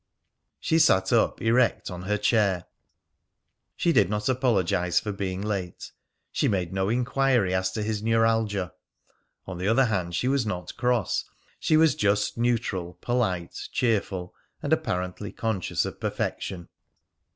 She sat up erect on her chair. She did not apologise for being late. She made no inquiry as to his neuralgia. On the other hand, she was not cross. She was just neutral, polite, cheerful, and apparently conscious of perfection.